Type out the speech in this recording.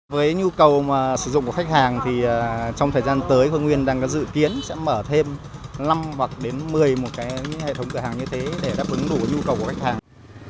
với nhu cầu sử dụng của khách hàng thì trong thời gian tới khôi nguyên đang có dự kiến sẽ mở thêm năm hoặc đến một mươi một cái hệ thống cửa hàng như thế để đáp ứng đủ nhu cầu của khách hàng